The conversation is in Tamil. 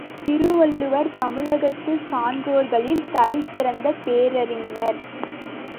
திருவள்ளுவர் தமிழகத்துச் சான்றோர்களில் தலைசிறந்த பேரறிஞர்.